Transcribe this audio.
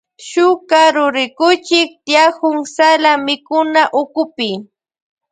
Shuk karurikuchik tiyakun sala mikunawkupi.